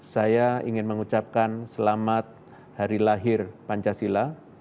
saya ingin mengucapkan selamat hari lahir pancasila